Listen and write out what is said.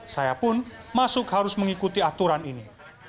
saya pun masuk harus mengikuti aturan ini